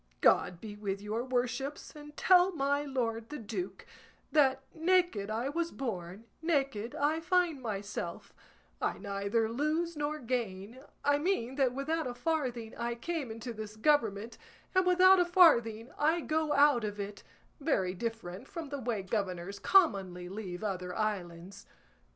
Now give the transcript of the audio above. God be with your worships, and tell my lord the duke that 'naked I was born, naked I find myself, I neither lose nor gain;' I mean that without a farthing I came into this government, and without a farthing I go out of it, very different from the way governors commonly leave other islands.